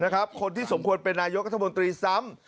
คนที่สมควรเป็นนายกัธมนตรีซ้ำ